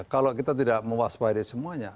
kalau kita tidak mewaspadai semuanya